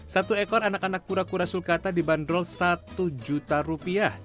satu ekor anak anak kura kura sulkata dibanderol satu juta rupiah